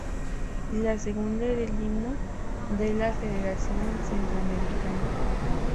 La segunda era el himno de La Federación Centroamericana.